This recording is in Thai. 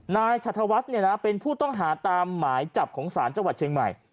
นายชัธวัฒน์เป็นผู้ต้องหาตามหมายจับของศาลจังหวัดเชียงใหม่